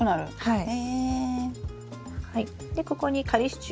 はい。